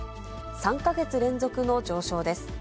３か月連続の上昇です。